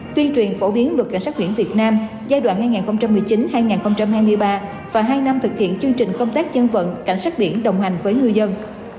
tuyên truyền phổ biến luật cảnh sát biển việt nam giai đoạn hai nghìn một mươi chín hai nghìn hai mươi ba và hai năm thực hiện chương trình công tác dân vận cảnh sát biển đồng hành với ngư dân